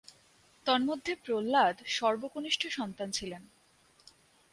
তন্মধ্যে প্রহ্লাদ সর্বকনিষ্ঠ সন্তান ছিলেন।